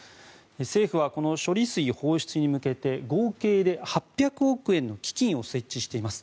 政府はこの処理水放出に向けて合計で８００億円の基金を設置しています。